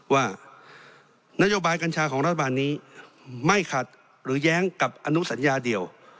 ว่านโยบายกัญชาของรัฐบาลนี้ไม่ขัดหรือแย้งกับอนุสัญญาเดียว